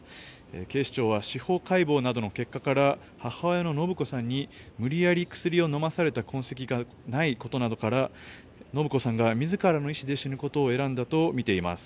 警視庁は司法解剖などの結果から母親の延子さんに無理やり薬を飲まされた痕跡がないことなどから延子さんが自らの意思で死ぬことを選んだとみています。